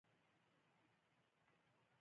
غریب ته ښه کلمه امید ورکوي